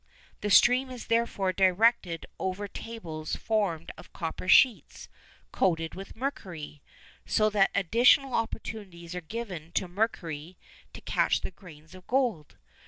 The stream is therefore directed over tables formed of copper sheets coated with mercury, so that additional opportunities are given to mercury to catch the grains of gold.